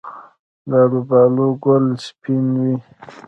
د الوبالو ګل سپین وي؟